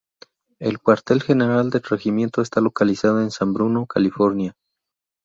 El cuartel general del regimiento está localizado en San Bruno, California.